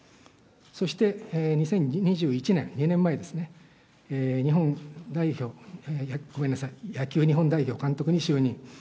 そして、２０２１年、２年前ですね、日本代表、ごめんなさい、野球日本代表監督に就任。